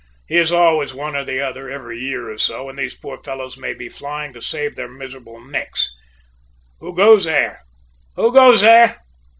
He is always one or the other every year or so, and these poor fellows may be flying to save their miserable necks. Who goes there? Who goes there?'